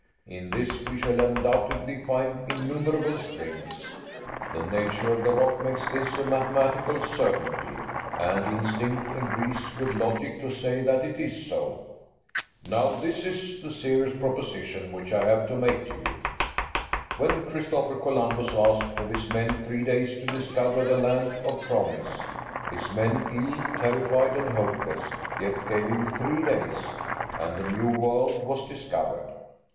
In this we shall undoubtedly find innumerable springs. The nature of the rock makes this a mathematical certainty, and instinct agrees with logic to say that it is so. Now, this is the serious proposition which I have to make to you. When Christopher Columbus asked of his men three days to discover the land of promise, his men ill, terrified, and hopeless, yet gave him three days and the New World was discovered.